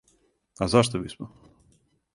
А зашто бисмо?